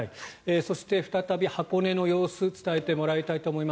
そして、再び箱根の様子を伝えてもらいたいと思います。